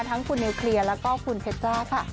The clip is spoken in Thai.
ทั้งคุณนิวเคลียร์แล้วก็คุณเพชรจ้าค่ะ